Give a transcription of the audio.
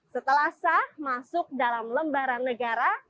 setelah sah masuk dalam lembaran negara